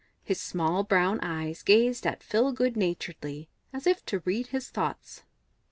His small brown eyes gazed at Phil good naturedly, as if to read his thoughts.